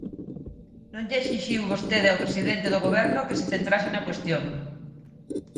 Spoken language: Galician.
Non lle exixiu vostede ao presidente do Goberno que se centrase na cuestión.